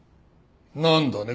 なんだね？